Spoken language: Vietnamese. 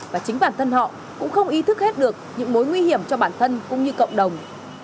và chính bản thân họ cũng không ý thức hết được những mối nguy hiểm cho bản thân cũng như cộng đồng